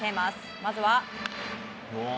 まずは。